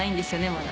まだ。